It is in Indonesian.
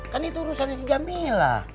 kan itu urusan si jamila